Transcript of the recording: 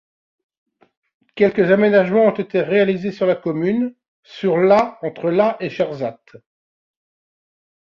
Quelques aménagements ont été réalisés sur la commune, sur la entre la et Gerzat.